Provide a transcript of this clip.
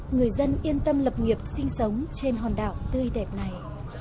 người dân yên tâm lập nghiệp sinh sống trên hòn đảo tươi đẹp này